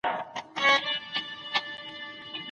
په قلم لیکنه کول د بریاوو د لمانځلو وسیله ده.